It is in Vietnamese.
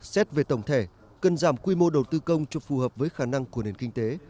xét về tổng thể cần giảm quy mô đầu tư công cho phù hợp với khả năng của nền kinh tế